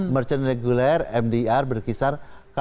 merchant regular mdr berkisar lima belas